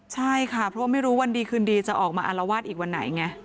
ใช่ค่ะเพราะว่าไม่รู้วันดีคืนดีจะออกมาอารวาสอีกวันไหนไง